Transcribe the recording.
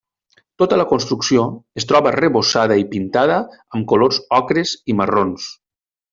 Tota la construcció es troba arrebossada i pintada amb colors ocres i marrons.